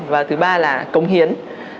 và thứ ba là cống hiến